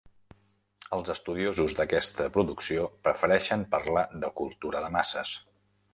Els estudiosos d’aquesta producció prefereixen parlar de cultura de masses.